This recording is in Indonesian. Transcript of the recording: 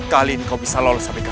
kali ini kau bisa lulus abegara